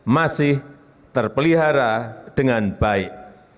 masih terpelihara dengan baik